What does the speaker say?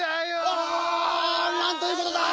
あなんということだ！